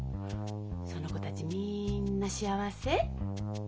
その子たちみんな幸せ？